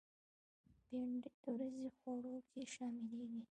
بېنډۍ د ورځې خوړو کې شاملېږي